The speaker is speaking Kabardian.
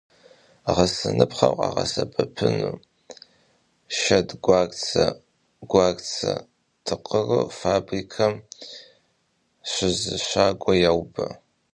Гъэсыныпхъэу къагъэсэбэпыну шэдгуарцэр гуарцэ тыкъыру фабрикэм щызыщагуэ, яубэ.